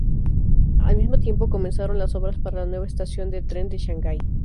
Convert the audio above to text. Al mismo tiempo comenzaron las obras para la nueva estación de tren de Shanghai.